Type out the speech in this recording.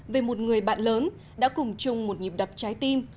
về một người bạn lớn đã cùng chung một nhịp đập trái tim